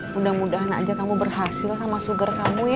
mudah mudahan aja kamu berhasil sama sugar kamu ya